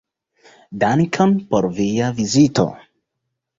Dankon por via vizito.